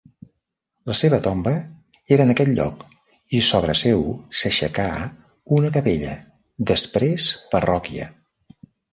La seva tomba era en aquest lloc i sobre seu s'aixecà una capella, després parròquia.